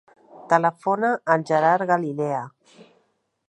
Telefona al Gerard Galilea.